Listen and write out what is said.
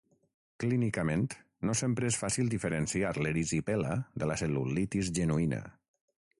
Clínicament, no sempre és fàcil diferenciar l'erisipela de la cel·lulitis genuïna.